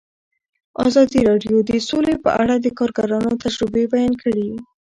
ازادي راډیو د سوله په اړه د کارګرانو تجربې بیان کړي.